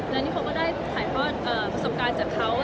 แล้วนี่เขาก็ได้ถ่ายทอดประสบการณ์จากเขา